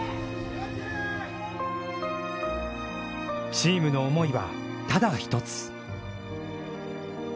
チームの思いは、ただ一つ。